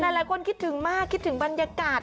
หลายคนคิดถึงมากคิดถึงบรรยากาศ